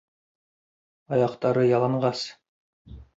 Аяҡтары яланғас.